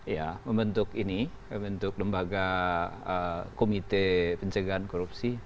ya membentuk ini membentuk lembaga komite pencegahan korupsi